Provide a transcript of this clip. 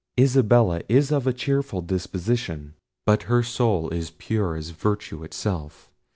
Isabella is of a cheerful disposition, but her soul is pure as virtue itself.